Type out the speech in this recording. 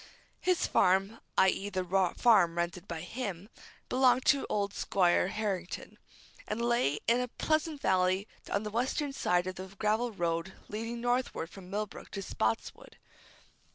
His farm i.e., the farm rented by him belonged to old Squire Harrington, and lay in a pleasant valley on the western side of the gravel road leading northward from Millbrook to Spotswood.